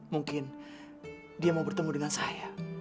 mungkin dia mau bertemu dengan saya